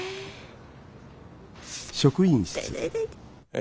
え